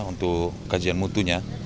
untuk kajian mutunya